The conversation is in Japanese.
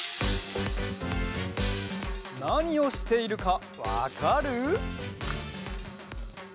なにをしているかわかる？